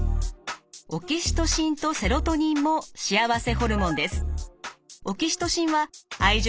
オキシトシンとセロトニンも幸せホルモンです。